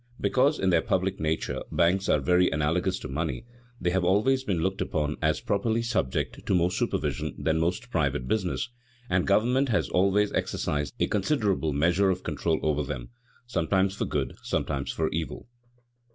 Because in their public nature banks are very analogous to money, they have always been looked upon as properly subject to more supervision than most private business, and government has always exercised a considerable measure of control over them, sometimes for good, sometimes for evil.